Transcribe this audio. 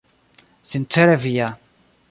Sincere via.